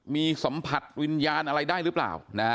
มีสัมผัสวิญญาณอะไรได้หรือเปล่า